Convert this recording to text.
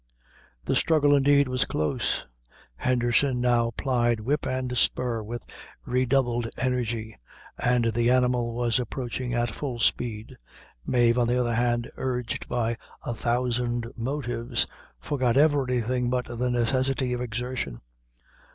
The struggle indeed was close; Henderson now plied whip and spur with redoubled energy, and the animal was approaching at full speed. Mave, on the other hand, urged by a thousand motives, forgot everything but the necessity of exertion.